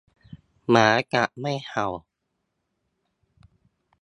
หมากัดไม่เห่า